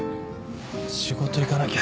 仕事行かなきゃ。